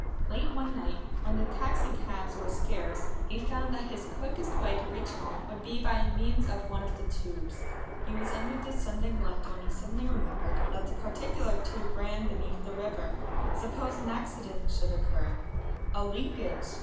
Late one night, when taxi cabs were scarce, he found that his quickest way to reach home would be by means of one of the tubes. He was in the descending lift when he suddenly remembered that that particular tube ran beneath the river. Suppose an accident should occur a leakage!